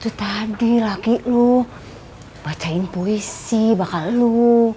itu tadi laki lu bacain puisi bakal lu